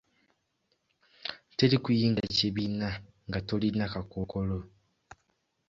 Teri kuyingira kibiina nga tolina kakookolo.